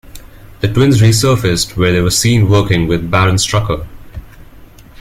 The twins resurfaced, where they were seen working with Baron Strucker.